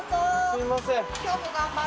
すみません。